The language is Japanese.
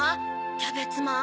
キャベツマン。